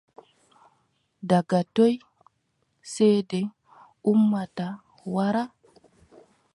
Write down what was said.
Daga toy ceede ummata wara ?